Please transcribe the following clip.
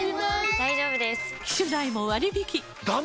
大丈夫です！